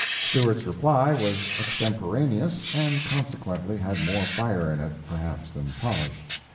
Stewart's reply was extemporaneous, and consequently had more fire in it, perhaps, than polish.